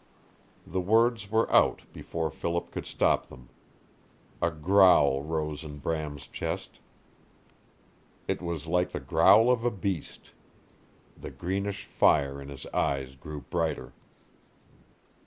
The words were out before Philip could stop them. A growl rose in Bram's chest. It was like the growl of a beast. The greenish fire in his eyes grew brighter.